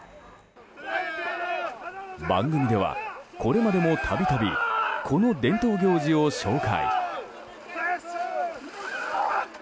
番組ではこれまでも度々この伝統行事を紹介。